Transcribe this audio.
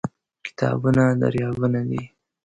کتابونه دریابونه دي.